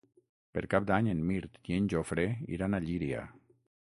Per Cap d'Any en Mirt i en Jofre iran a Llíria.